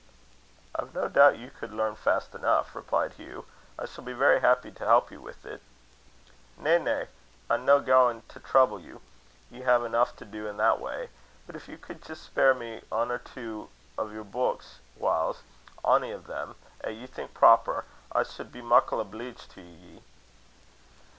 "I've no doubt you could learn fast enough," replied Hugh. "I shall be very happy to help you with it." "Na, na; I'm no gaein to trouble you. Ye hae eneuch to do in that way. But if ye could jist spare me ane or twa o' yer beuks whiles ony o' them 'at ye think proper, I sud be muckle obleeged te ye."